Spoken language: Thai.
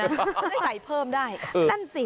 แสดงใสเผิมได้